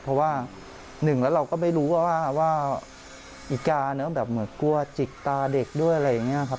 เพราะว่าหนึ่งแล้วเราก็ไม่รู้ว่าอีกาแบบเหมือนกลัวจิกตาเด็กด้วยอะไรอย่างนี้ครับ